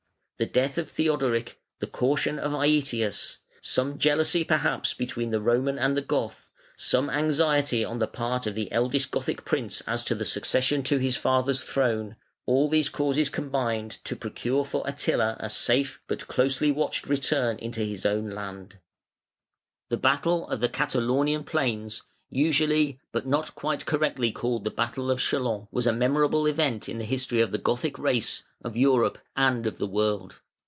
The death of Theodoric, the caution of Aëtius, some jealousy perhaps between the Roman and the Goth, some anxiety on the part of the eldest Gothic prince as to the succession to his father's throne, all these causes combined to procure for Attila a safe but closely watched return into his own land. [Footnote 10: These are the words of the Gothic historian, Jordanes.] The battle of the Catalaunian plains (usually but not quite correctly called the battle of Châlons) was a memorable event in the history of the Gothic race, of Europe, and of the world.